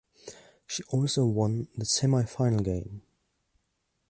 She also won the semi-final game.